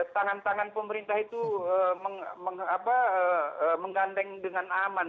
tangan tangan pemerintah itu menggandeng dengan aman